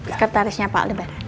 skritarisnya pak aldi baran